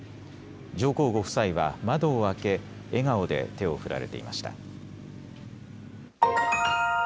上皇ご夫妻は、窓を開け、笑顔で手を振られていました。